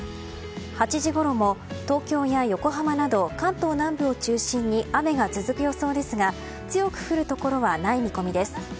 ８時ごろも東京や横浜など関東南部を中心に雨が続く予想ですが強く降るところはない見込みです。